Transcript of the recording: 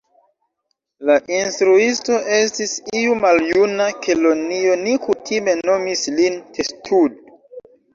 La instruisto estis iu maljuna kelonio ni kutime nomis lin Testud.